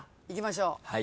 いきましょう。